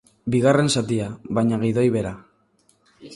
Bigarren zatia, baina gidoi bera.